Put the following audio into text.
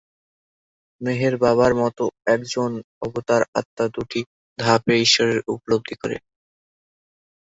মেহের বাবার মতে, একজন অবতার আত্মা দুটি ধাপে ঈশ্বর উপলব্ধি করে।